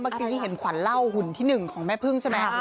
เมื่อกี้ที่เห็นขวัญเล่าหุ่นที่๑ของแม่พึ่งใช่ไหม